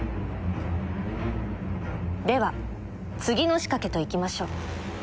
では次の仕掛けといきましょう。